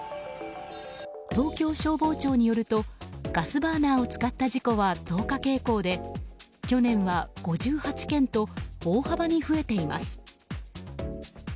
東京消防庁によるとガスバーナーを使った事故は増加傾向で去年は５８件と大幅に増えています。